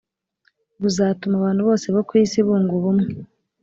Buzatuma abantu bose bo ku isi bunga ubumwe